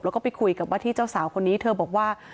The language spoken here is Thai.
แล้วก็ไปคุยกับว่าที่เจ้าสาวคนนี้เธอบอกว่า